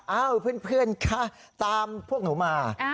เอ้าเพื่อนคะตามพวกหนูมา